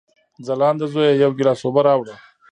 ځلانده زویه، یو ګیلاس اوبه راوړه!